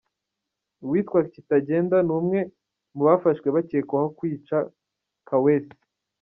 Uwitwa Kitagenda ni umwe mu bafashwe bakekwaho kwica Kaweesi